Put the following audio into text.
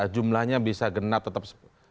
jumlahnya tidak bisa genap